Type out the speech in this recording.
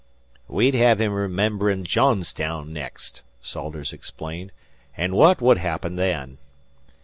"We'd hev him rememberin' Johns town next," Salters explained, "an' what would happen then?"